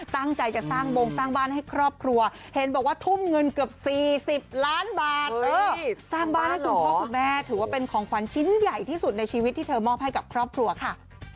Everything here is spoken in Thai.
สร้างบ้านให้คุณพ่อคุณแม่ถือว่าเป็นของขวัญชิ้นใหญ่ที่สุดในชีวิตที่เธอมอบให้กับครอบครัวค่ะ